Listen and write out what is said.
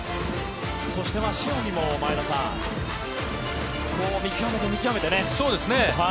そして塩見も前田さん見極めて、見極めてね。